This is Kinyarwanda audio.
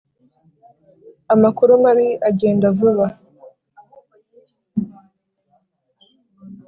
amakuru mabi agenda vuba